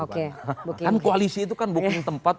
kan koalisi itu kan bukan tempat